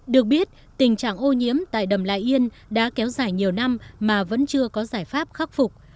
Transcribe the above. được biết tình trạng ô nhiễm tại đầm lại yên đã kéo dài nhiều năm mà vẫn chưa có giải pháp khắc phục